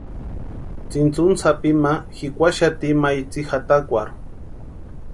Tsintsuni sápi ma jikwaxati ima itsï jatakwarhu.